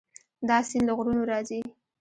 دا سیند له غرونو راځي.